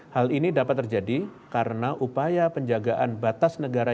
hal ini dapat terjadi karena upaya penjagaan batas negara